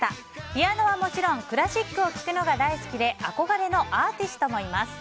ピアノはもちろんクラシックを聴くのが大好きで憧れのアーティストもいます。